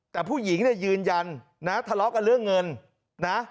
แต่ผู้หญิงยืนยันทะเลาะกันเรื่องเงิน